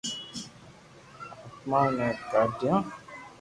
آتمائون ني ڪا ِڍیون